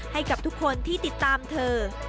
ให้กับทุกคนที่ติดตามเธอ